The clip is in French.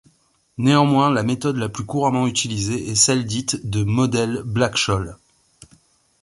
Néanmoins la méthode la plus couramment utilisée est celle dite de modèle Black-Scholes.